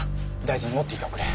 大事に持っていておくれ。